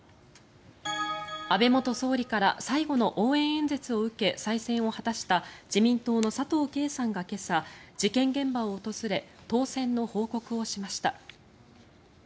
安倍元総理から最後の応援演説を受け再選を果たした自民党の佐藤啓さんが今朝事件現場を訪れ当選の報告をしました。